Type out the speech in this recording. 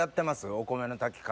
お米の炊き方。